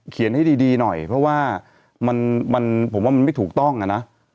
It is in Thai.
ให้ดีหน่อยเพราะว่ามันผมว่ามันไม่ถูกต้องอะนะ